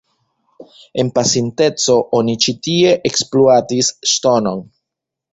En pasinteco oni ĉi tie ekspluatis ŝtonon.